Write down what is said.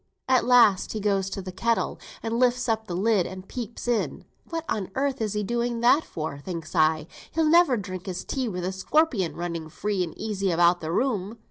At last he goes to th' kettle, and lifts up the lid, and peeps in. What on earth is he doing that for, thinks I; he'll never drink his tea with a scorpion running free and easy about the room.